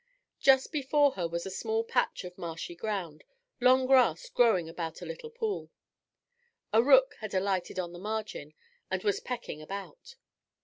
Just before her was a small patch of marshy ground, long grass growing about a little pool. A rook had alighted on the margin, and was pecking about.